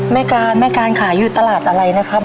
แม่การแม่การขายอยู่ตลาดอะไรนะครับ